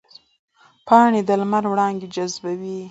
پاڼې د لمر وړانګې جذبوي